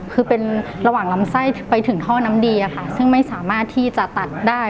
คือเป็นระหว่างลำไส้ไปถึงท่อน้ำดีอะค่ะซึ่งไม่สามารถที่จะตัดได้